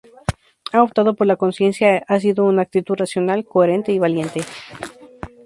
Ha optado por la conciencia, ha sido una actitud racional, coherente y valiente.